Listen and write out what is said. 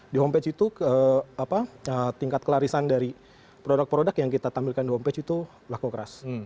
di homepage itu tingkat kelarisan dari produk produk yang kita tampilkan di home page itu laku keras